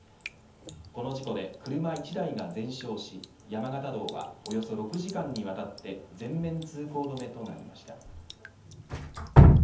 この事故で車１台が全焼し山形道はおよそ６時間にわたって全面通行止めとなりました。